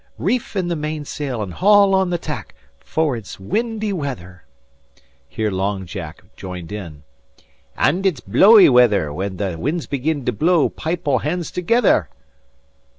Reef in the mainsail, and haul on the tack; For it's windy weather " Here Long Jack joined in: "And it's blowy weather; When the winds begin to blow, pipe all hands together!"